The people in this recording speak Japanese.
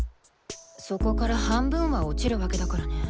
そこから半分は落ちるわけだからね。